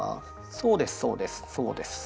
そうですそうですそうです。